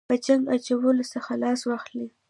په جنګ اچولو څخه لاس واخله.